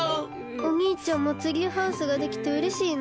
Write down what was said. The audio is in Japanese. おにいちゃんもツリーハウスができてうれしいの？